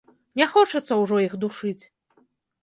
Не хочацца ўжо іх душыць.